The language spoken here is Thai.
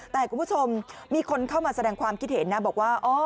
แต่คุณผู้ชมมีคนเข้ามาแสดงความคิดเห็นนะบอกว่า